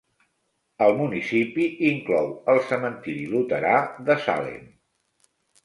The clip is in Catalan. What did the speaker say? El municipi inclou el cementiri luterà de Salem.